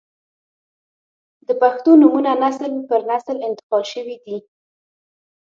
• د پښتو نومونه نسل پر نسل انتقال شوي دي.